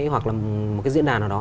hoặc là một cái diễn đàn nào đó